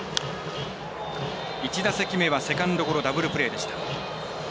１打席目はセカンドゴロダブルプレーでした。